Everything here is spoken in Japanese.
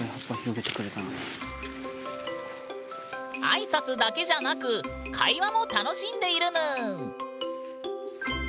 挨拶だけじゃなく会話も楽しんでいるぬん！